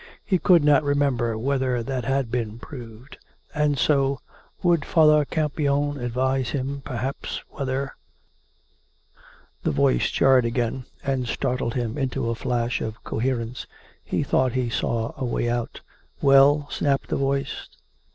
... He could not remember whether that had been proved; and so ... would Father Campion advise him perhaps whether ...) The voice jarred again; and startled him into a flash of coherence. He thought he saw a way out. " Well ?" snapped the voice.